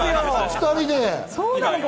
２人で。